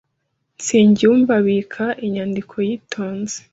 Nsengiyumva abika inyandiko yitonze.